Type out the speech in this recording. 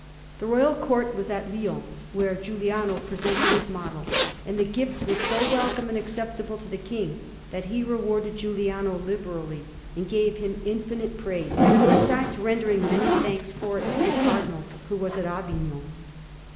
The royal Court was at Lyons when Giuliano presented his model; and the gift was so welcome and acceptable to the King, that he rewarded Giuliano liberally and gave him infinite praise, besides rendering many thanks for it to the Cardinal, who was at Avignon.